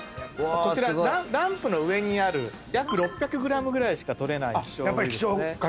ランプの上にある約６００ｇぐらいしか取れない希少部位ですね。